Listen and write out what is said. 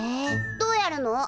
どうやるの？